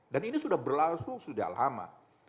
dan ini sudah berlangsung sudah lama